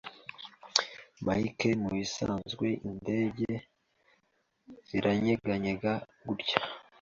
Mike, mubisanzwe indege ziranyeganyega gutya?